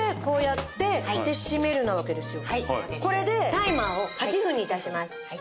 タイマーを８分に致します。